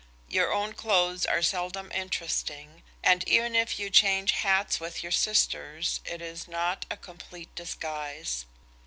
Your own clothes are seldom interesting and even if you change hats with your sisters it is not a complete disguise.